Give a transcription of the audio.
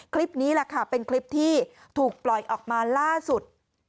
คลิปนี้แหละค่ะเป็นคลิปที่ถูกปล่อยออกมาล่าสุด